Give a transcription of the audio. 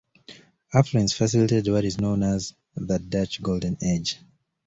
Affluence facilitated what is known as the Dutch Golden Age.